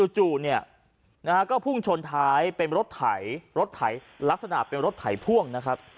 จู่เนี่ยนะฮะก็พุ่งชนท้ายเป็นรถไถรถไถลักษณะเป็นรถไถพ่วงนะครับ